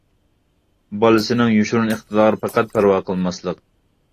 بالىسىنىڭ يوشۇرۇن ئىقتىدارىغا پەقەت پەرۋا قىلماسلىق.